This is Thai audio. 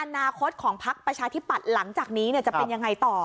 อนาคตของพักประชาธิปัตย์หลังจากนี้จะเป็นยังไงต่อ